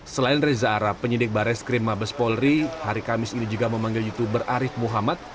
selain reza arab penyidik bareskrim mabes polri hari kamis ini juga memanggil youtuber arief muhammad